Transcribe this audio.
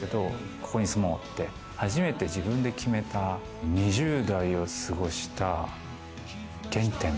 ここに住もうって初めて自分で決めた２０代を過ごした原点。